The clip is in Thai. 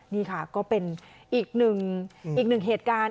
นี่ค่ะก็เป็นอีกหนึ่งเหตุการณ์